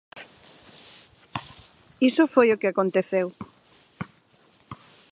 Iso foi o que aconteceu.